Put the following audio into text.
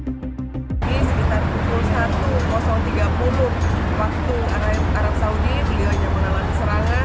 di sekitar pukul satu tiga puluh waktu arab saudi dia menalami serangan